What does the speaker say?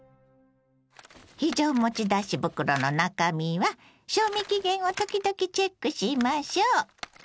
非常持ち出し袋の中身は賞味期限を時々チェックしましょう。